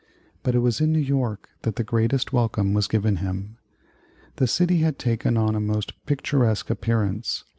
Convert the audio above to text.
But it was in New York that the greatest welcome was given him. The city had taken on a most picturesque appearance.